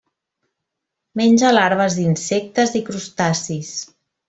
Menja larves d'insectes i crustacis.